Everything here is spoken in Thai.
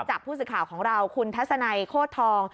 จากผู้สื่อข่าวของเราคุณทัศนัยโคตรทอง